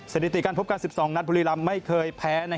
สถิติการพบกัน๑๒นัดบุรีรำไม่เคยแพ้